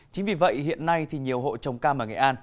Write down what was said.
chính vì vậy hiện nay thì nhiều hộ trồng cam ở nghệ an